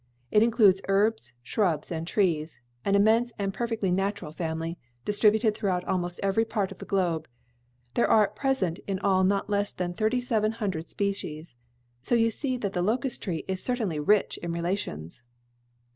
It includes herbs, shrubs and trees an immense and perfectly natural family, distributed throughout almost every part of the globe. There are at present in all not less than thirty seven hundred species. So you see that the locust tree is certainly rich in relations."